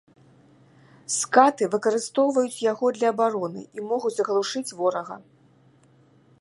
Скаты выкарыстоўваюць яго для абароны і могуць аглушыць ворага.